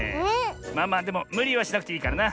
まあまあでもむりはしなくていいからな。